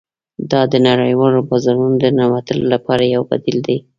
دا د نړیوالو بازارونو د ننوتلو لپاره یو بدیل دی